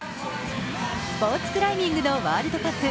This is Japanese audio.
スポーツクライミングのワールドカップ。